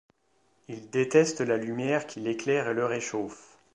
Il déteste la lumière qui l’éclaire et le réchauffe.